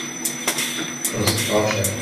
Conas atá sé